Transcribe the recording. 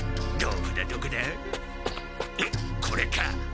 むっこれか！